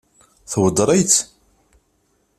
Tweddeṛ-itt?